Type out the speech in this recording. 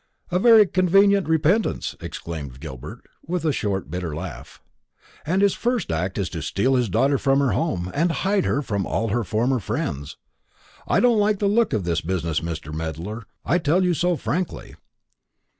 "A very convenient repentance," exclaimed Gilbert, with a short bitter laugh. "And his first act is to steal his daughter from her home, and hide her from all her former friends. I don't like the look of this business, Mr. Medler; I tell you so frankly."